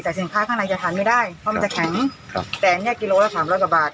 แต่สินค้าข้างในจะทานไม่ได้เพราะมันจะแข็งครับแต่อันนี้กิโลละสามร้อยกว่าบาท